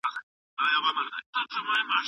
باغ ته نږدې کېناستل خوند ورکوي.